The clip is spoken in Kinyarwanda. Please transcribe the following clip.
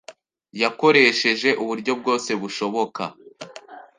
Yakoresheje uburyo bwose bushoboka.